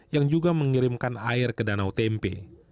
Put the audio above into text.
yang juga mengirimkan air ke danau tempe